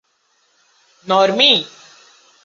Nor me.